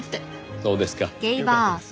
そうですか。